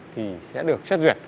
thì sẽ được xét duyệt